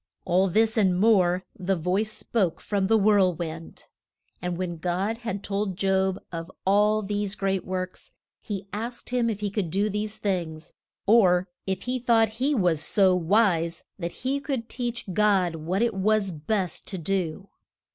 All this and more the voice spoke from the whirl wind. And when God had told Job of all these great works, he asked him if he could do these things, or if he thought he was so wise that he could teach God what it was best to do.